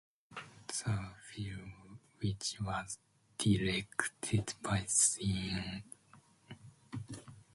The film which was directed by Sean McNamara and co-starred Hilary Duff.